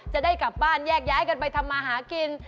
จะได้กลับบ้านแยกย้ายกันไปทำมาหากิน